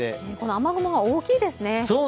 雨雲が大きいですね